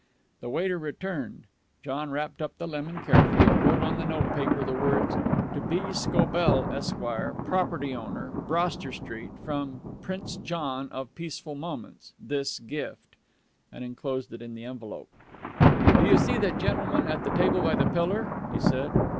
The waiter returned. John wrapped up the lemon carefully, wrote on the note paper the words, "To B. Scobell, Esq., Property Owner, Broster Street, from Prince John of Peaceful Moments, this gift," and enclosed it in the envelope. "Do you see that gentleman at the table by the pillar?" he said.